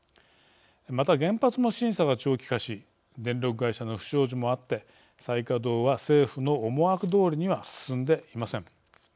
また、原発も審査が長期化し電力会社の不祥事もあって再稼働は政府の思惑どおりには進んでいません。